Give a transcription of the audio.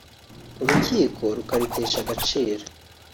urukiko rukaritesha agaciro